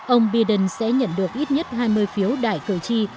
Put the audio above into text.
ông biden sẽ nhận được ít nhất hai mươi phiếu đại cử tri